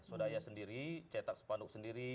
swadaya sendiri cetak sepanduk sendiri